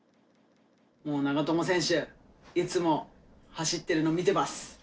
長友選手、いつも走っているのを見ています。